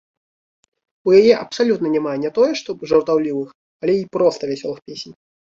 У яе абсалютна няма не тое што жартаўлівых, але і проста вясёлых песень.